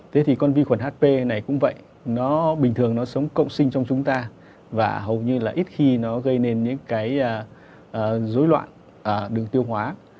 thế thì con vi khuẩn hp này cũng vậy nó bình thường nó sống cộng sinh trong chúng ta và hầu như là ít khi nó gây nên những cái dối loạn đường tiêu hóa